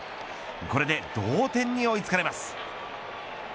これで同点に追いつかれます。